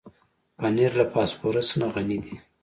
پنېر له فاسفورس نه غني دی.